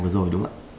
vừa rồi đúng không ạ